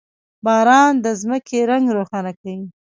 • باران د ځمکې رنګ روښانه کوي.